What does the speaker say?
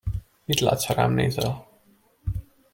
Mit látsz, ha rám nézel?